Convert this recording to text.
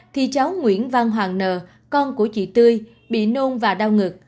thì cháu nguyễn văn hoàng nờ con của chị tươi bị nôn và đau ngực